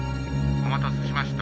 「お待たせしました。